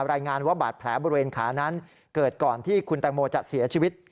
รายงานว่าบาดแผลบริเวณขานั้นเกิดก่อนที่คุณแตงโมจะเสียชีวิต